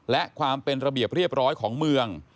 และความเป็นระเบียบเรียบร้อยของเมือง